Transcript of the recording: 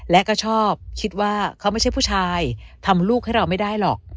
และก็ชอบคิดว่าเขาไม่ใช่ผู้ชายทำลูกให้เราไม่ได้หรอก